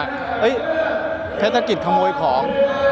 เกียรติศักดิษฐ์ขโมยของ